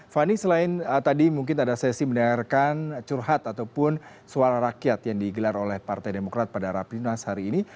fani selain tadi mungkin ada sesi mendengarkan curhat ataupun suara rakyat yang digelar oleh partai demokrat pada rapimnas hari ini